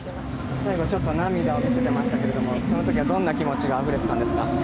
最後ちょっと涙を見せてましたけどその時はどんな気持ちがあふれてたんですか。